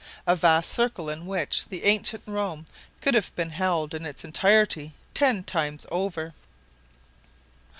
A vast circle, in which ancient Rome could have been held in its entirety ten times over.